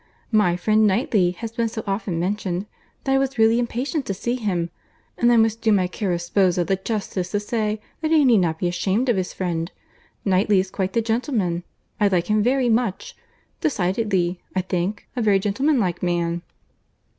'My friend Knightley' had been so often mentioned, that I was really impatient to see him; and I must do my caro sposo the justice to say that he need not be ashamed of his friend. Knightley is quite the gentleman. I like him very much. Decidedly, I think, a very gentleman like man."